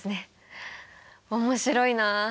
面白いなあ。